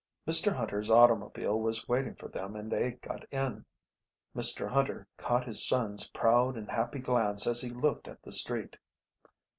Mr Hunter's automobile was waiting for them and they got in. Mr Hunter caught his son's proud and happy glance as he looked at the street.